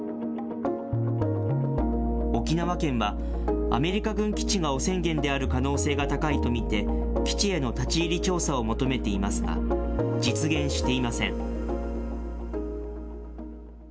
沖縄県は、アメリカ軍基地が汚染源である可能性が高いと見て、基地への立ち入り調査を求めていますが、実現していません。